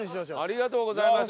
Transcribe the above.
ありがとうございます。